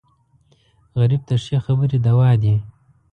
غریب ته ښې خبرې دوا دي